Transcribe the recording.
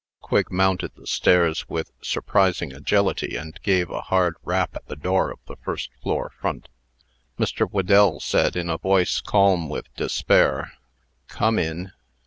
Quigg mounted the stairs with surprising agility, and gave a hard rap at the door of the first floor front. Mr. Whedell said, in a voice calm with despair, "Come in."